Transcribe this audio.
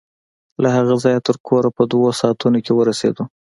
له هغه ځايه تر کوره په دوو ساعتو کښې ورسېدو.